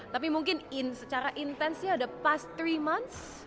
tapi mungkin secara intensnya ada past three months